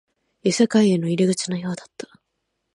異世界への入り口のようだった